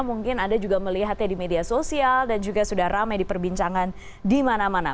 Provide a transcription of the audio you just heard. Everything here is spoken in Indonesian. mungkin anda juga melihatnya di media sosial dan juga sudah ramai diperbincangan di mana mana